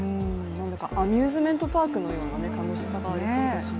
なんだかアミューズメントパークのような楽しさがありますよね。